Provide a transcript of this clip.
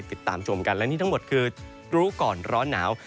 ติดตามชมกันและนี่ทั้งหมดคือรู้ก่อนร้อนหนาว